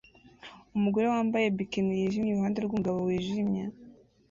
Umugore wambaye bikini yijimye iruhande rwumugabo wijimye